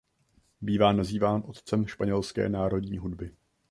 Bývá nazýván otcem španělské národní hudby.